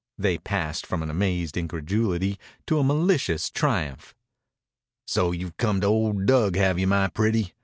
They passed from an amazed incredulity to a malicious triumph. "So you've come to old Dug, have you, my pretty?"